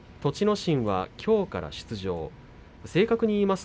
心はきょうから出場です。